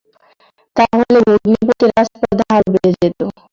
তা হলে ভগ্নীপতির আস্পর্ধা আরো বেড়ে যেত।